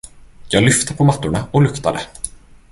Jag lyfte på mattorna och luktade.